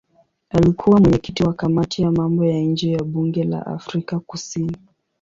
Alikuwa mwenyekiti wa kamati ya mambo ya nje ya bunge la Afrika Kusini.